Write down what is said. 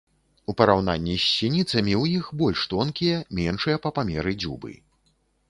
У параўнанні з сініцамі ў іх больш тонкія, меншыя па памеры дзюбы.